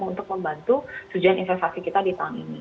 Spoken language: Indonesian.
untuk membantu tujuan investasi kita di tahun ini